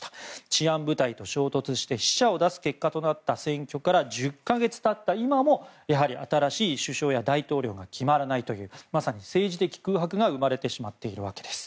治安部隊と衝突して死者を出す結果となった選挙から１０か月経った今もやはり新しい首相や大統領が決まらないというまさに政治的空白が生まれてしまっているわけです。